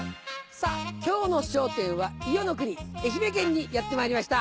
さぁ今日の『笑点』は伊予国愛媛県にやってまいりました。